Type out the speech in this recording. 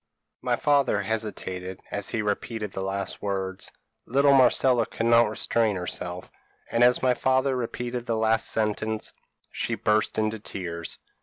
p> "My father hesitated, as he repeated the last words; little Marcella could not restrain herself, and as my father repeated the last sentence, she burst into tears.